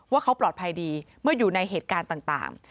ว่าเขาปลอดภัยดีเมื่ออยู่ในเหตุการณ์ต่าง